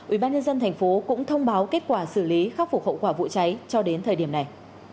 ủy ban nhân dân thành phố cũng thông báo kết quả xử lý khắc phục hậu quả vụ cháy cho đến thời điểm này